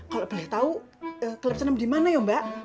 kalau boleh tahu klub senam di mana ya mbak